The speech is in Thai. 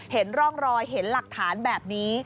เห็นร่องรอยเห็นหลักฐานแบบนี้